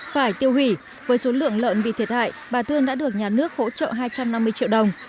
phải tiêu hủy với số lượng lợn bị thiệt hại bà thương đã được nhà nước hỗ trợ hai trăm năm mươi triệu đồng